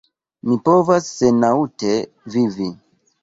Mi povas senaŭte vivi.